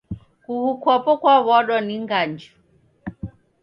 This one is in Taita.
Kughu kwapo kwaw'uadwa ni nganju